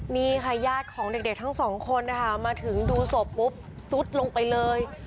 นี่ค่ะญาติของเด็กทั้งสองคนนะคะมาถึงดูศพปุ๊บซุดลงไปเลย